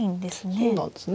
そうなんですね。